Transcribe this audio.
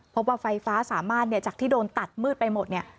พบว่าไฟฟ้าสามารถจากที่โดนตัดมืดไปหมดเนี่ย